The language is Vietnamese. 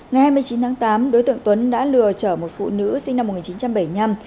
ngày hai mươi chín tháng tám đối tượng tuấn đã lừa trở một phụ nữ sinh năm một nghìn chín trăm bảy mươi năm